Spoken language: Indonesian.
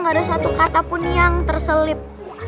gak ada satu kata pun yang terselip